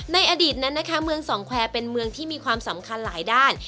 ในอดีตนั้นนะคะเมืองสองแควร์เป็นเมืองที่มีความสำคัญหลายด้าน